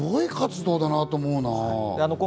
すごい活動だなと思うな。